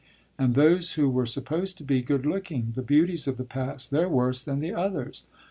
And those who were supposed to be good looking the beauties of the past they're worse than the others.